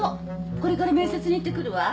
これから面接に行ってくるわ。